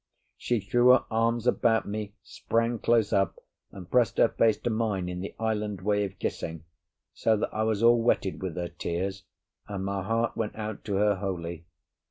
She threw her arms about me, sprang close up, and pressed her face to mine in the island way of kissing, so that I was all wetted with her tears, and my heart went out to her wholly.